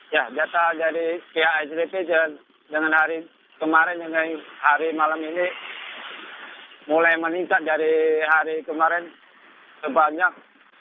ya data dari pihak sdp dengan hari kemarin hingga hari malam ini mulai meningkat dari hari kemarin sebanyak